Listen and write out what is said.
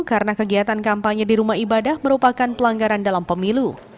karena kegiatan kampanye di rumah ibadah merupakan pelanggaran dalam pemilu